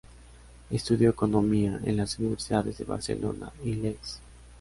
Estudió Economía en las universidades de Barcelona y Leeds.